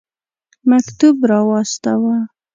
مکتوب را واستاوه.